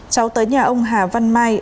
cháu tới nhà ông hà văn mai